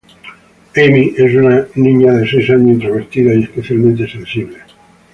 Ami es una niña de seis años, introvertida y especialmente sensible.